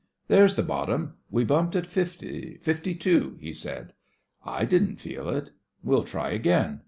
"There's the bottom. We bumped at fifty — fifty two," he said. "I didn't feel it." " We'll try again.